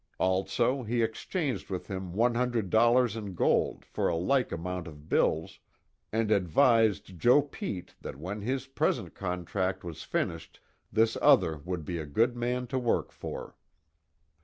Also he exchanged with him one hundred dollars in gold for a like amount in bills, and advised Joe Pete that when his present contract was finished this other would be a good man to work for.